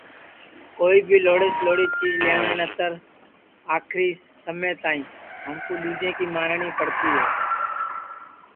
کوئی بھی لہوڑی سے لہوڑی چیج لئیوٹؔے نتر آکری سما تک ہمکُو دؔوجے کی مانٹؔی پڑتی ہے